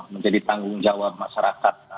menjadi tanggung jawab masyarakat